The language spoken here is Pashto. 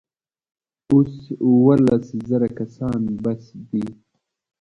اوس اوولس زره کسان بس دي.